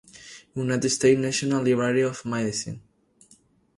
United States National Library of Medicine.